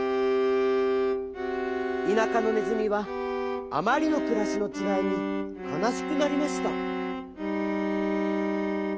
田舎のねずみはあまりのくらしのちがいにかなしくなりました。